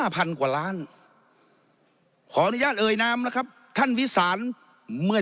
พันกว่าล้านขออนุญาตเอ่ยนามนะครับท่านวิสานเมื่อ